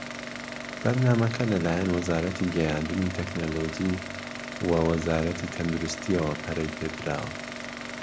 بەرنامەکە لە لایەن وەزارەتی گەیاندن وتەکنەلۆجی و وە وەزارەتی تەندروستییەوە پەرەی پێدراوە.